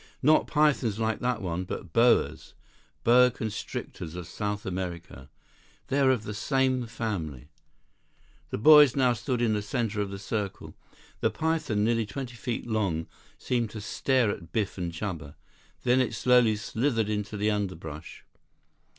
Not pythons like that one, but boas. Boa constrictors of South America. They're of the same family." 74 The boys now stood in the center of the circle. The python, nearly twenty feet long, seemed to stare at Biff and Chuba. Then it slowly slithered into the underbrush.